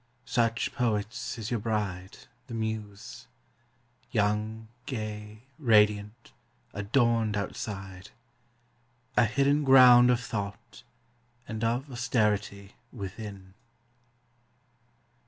Such, poets, is your bride, the Muse! young, gay, Radiant, adorned outside; a hidden ground Of thought and of austerity within.